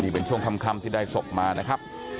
เป็นช่วงค่ำที่ได้ศพมานะครับ